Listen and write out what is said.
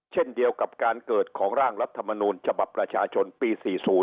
เช่นเดียวกับการเกิดของร่างรัฐมนูลฉบับประชาชนปี๔๐